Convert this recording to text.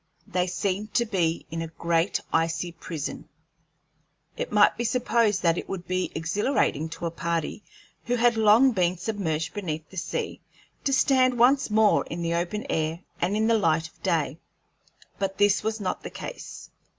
They seemed to be in a great icy prison. It might be supposed that it would be exhilarating to a party who had long been submerged beneath the sea to stand once more in the open air and in the light of day; but this was not the case.